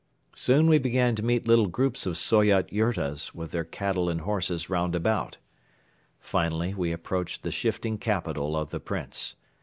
Soon we began to meet little groups of Soyot yurtas with their cattle and horses round about. Finally we approached the shifting capital of the Prince.